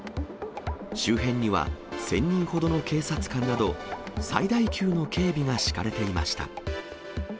周辺には、１０００人ほどの警察官など、最大級の警備が敷かれていました。